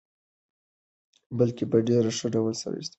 بلکي په ډېر ښه ډول سره د هغوی د استعمالولو پړا وونه